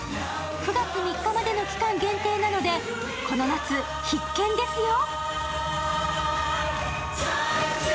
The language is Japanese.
９月３日までの期間限定なので、この夏必見ですよ。